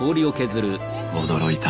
驚いた！